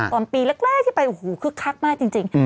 ตอนปีแรกที่ไปโอ้โหคึกคักมากจริง